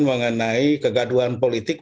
mengenai kegaduhan politik